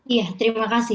iya terima kasih